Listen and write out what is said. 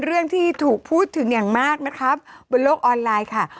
เรื่องที่ถูกพูดถึงอย่างมากนะคะบนโลกออนไลน์ค่ะ